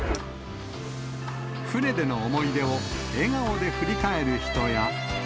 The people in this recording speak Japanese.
船での思い出を笑顔で振り返る人や。